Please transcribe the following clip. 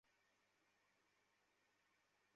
তুমি জানো আলোরা কোথায় মাটি স্পর্শ করে?